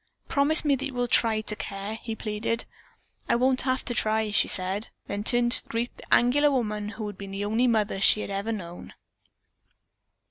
"Promise me that you will try to care," he pleaded. "I won't have to try," she said, then turned to greet the angular woman who had been the only mother she had ever known.